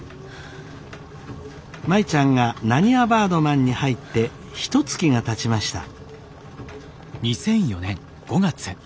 舞ちゃんがなにわバードマンに入ってひとつきがたちました。